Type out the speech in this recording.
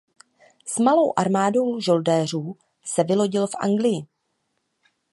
S malou armádou žoldnéřů se vylodil v Anglii.